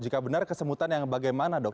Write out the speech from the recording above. jika benar kesemutan yang bagaimana dok